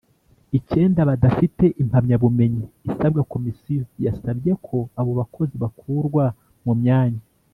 icyenda badafite impamyabumenyi isabwa Komisiyo yasabye ko abo bakozi bakurwa mu myanya